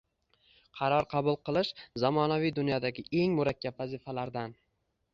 Qaror qabul qilish – zamonaviy dunyodagi eng murakkab vazifalardan